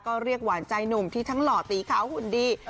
ก็เรียกหวานใจหนุ่มที่ทั้งหล่อตีขาวหุ่นดี